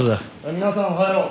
皆さんおはよう。